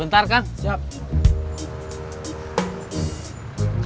kenapa ultimate team ada